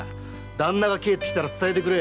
旦那が帰ってきたら伝えてくれ。